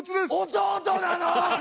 弟なの！？